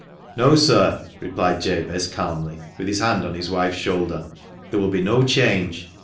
" No, sir," replied Jabez, calmly, with his hand on his wife's shoulder, " there will be no change.